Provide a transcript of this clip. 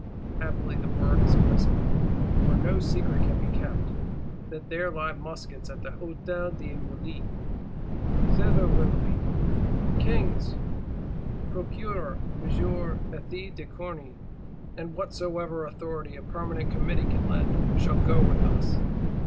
Happily the word has arisen, for no secret can be kept,—that there lie muskets at the Hôtel des Invalides. Thither will we: King's Procureur M. Ethys de Corny, and whatsoever of authority a Permanent Committee can lend, shall go with us.